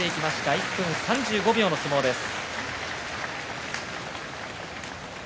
１分３５秒の相撲です。